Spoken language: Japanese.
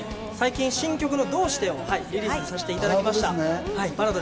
最近新曲の『どうして』をリリースさせていただきました。